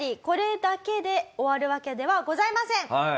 これだけで終わるわけではございません。